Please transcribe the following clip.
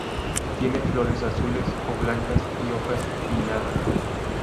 Tiene flores azules o blancas y hojas pinnadas.